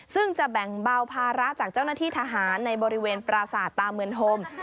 ซึ่งจะแบ่งเบาภาระจากเจ้าหน้าที่ทหารในบริเวณปราสาทตาเมืองธม